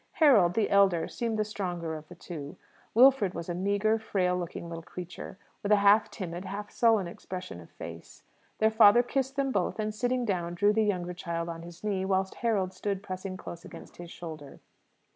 Harold, the elder, seemed the stronger of the two. Wilfred was a meagre, frail looking little creature, with a half timid, half sullen expression of face. Their father kissed them both, and, sitting down, drew the younger child on his knee, whilst Harold stood pressing close against his shoulder.